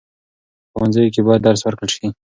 په ښوونځیو کې باید درس ورکړل شي.